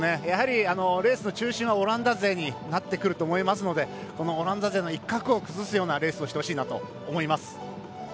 やはり、レースの中心はオランダ勢になってくると思いますのでオランダ勢の一角を崩すようなレースをしてほしいなと思います。